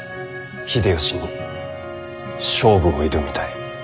秀吉に勝負を挑みたい。